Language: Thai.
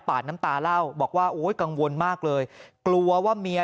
ดน้ำตาเล่าบอกว่าโอ้ยกังวลมากเลยกลัวว่าเมีย